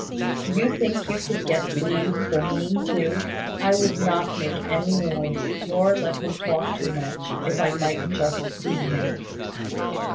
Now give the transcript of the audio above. "Do you think you could get leave for me too? I would not make any noise, nor let him talk too much, if I might just see him."